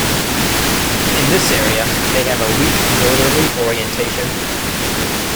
In this area, they have a weak northerly orientation.